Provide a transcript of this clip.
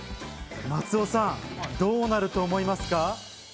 松尾さん、どうなると思いますか？